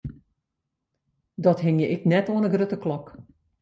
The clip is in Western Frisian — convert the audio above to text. Dat hingje ik net oan 'e grutte klok.